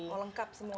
oh lengkap semua